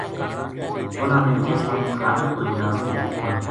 اُنھاں نے جس ٹیم خالق کو جنازو دیکھیو